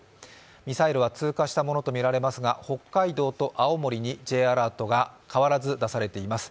ミサイルは通過したものとみられますが、北海道と青森にＪアラートが変わらず出されています。